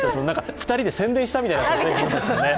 ２人で宣伝したみたいになってますね。